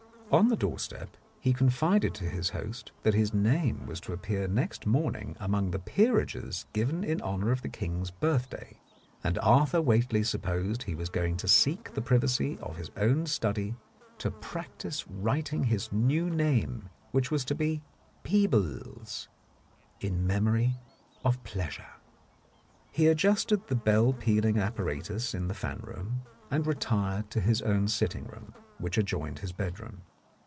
On the doorstep he confided to his host that his name was to appear next morning among the peerages given in honour of the King's Birthday, and Arthur Whately supposed he was going to seek the privacy of his own study to practise writing his new name, which was to be Peebles, in memory of pleasure. He adjusted the bell pealing apparatus in the fan room, and retired to his own sitting room, which adjoined his bedroom.